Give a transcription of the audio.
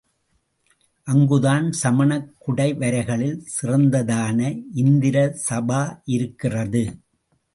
அங்குதான் சமணக் குடைவரைகளில் சிறந்ததான இந்திர சபா இருக்கிறது.